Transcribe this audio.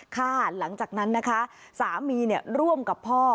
หลังจากนั้นนะคะสามีร่วมกับพ่อ